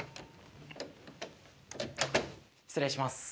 失礼します。